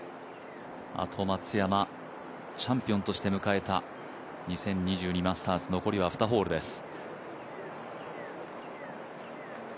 あと松山、チャンピオンとして迎えた２０２２マスターズ、残りは２ホールです。